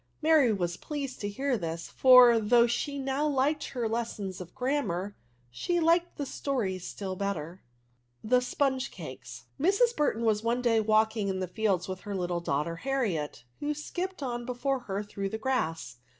'' Mary was pleased to hear this; for, though she now liked her lessons of grammar, she liked the stories still better. THE SPONOE CAKES. Mrs» Burton was one day walking in the fields with her little daughter Harriet, who skipped on before her through the grass.